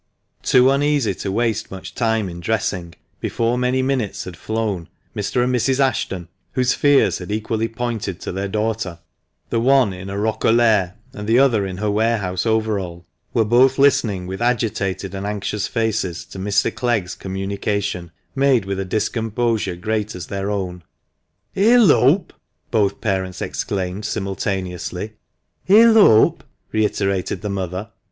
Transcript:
Too uneasy to waste much time in dressing, before many minutes had flown Mr. and Mrs. Ashton, whose fears had equally pointed to their daughter — the one in a roquelaire, and the other in her warehouse overall — were both listening with agitated and anxious faces to Mr. Clegg's communication, made with a discomposure great as their own. " Elope !" both parents exclaimed, simultaneously. "Elope!" reiterated the mother.